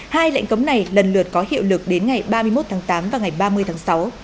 hai lệnh cấm này lần lượt có hiệu lực đến ngày ba mươi một tháng tám và ngày ba mươi tháng sáu